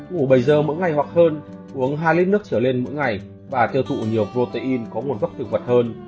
ngủ bảy giờ mỗi ngày hoặc hơn uống hai lít nước trở lên mỗi ngày và tiêu thụ nhiều protein có nguồn gốc thực vật hơn